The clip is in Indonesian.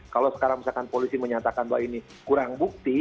kalau sekarang misalkan polisi menyatakan bahwa ini kurang bukti